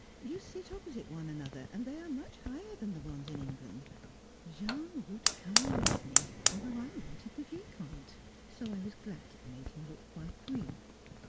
You sit opposite one another, and they are much higher than the ones in England. Jean would come with me, though I wanted the Vicomte so I was glad it made him look quite green.